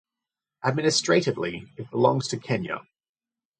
Administratively it belongs to Kenya.